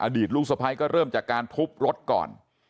อดีตลูกสภัยก็เริ่มจากการทุบรถก่อน